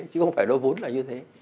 chứ không phải đối với vốn là như thế